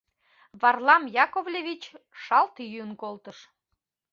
— Варлам Яковлевич шалт йӱын колтыш.